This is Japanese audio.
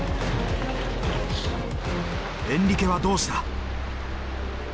エンリケはどうした。